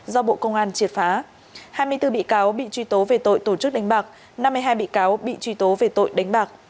do bộ công an triệt phá hai mươi bốn bị cáo bị truy tố về tội tổ chức đánh bạc năm mươi hai bị cáo bị truy tố về tội đánh bạc